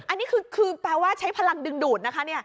อันนี้คือแปลว่าใช้พลังดึงดูดนะคะ